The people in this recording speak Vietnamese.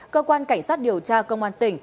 cơ quan cảnh sát điều tra công an tỉnh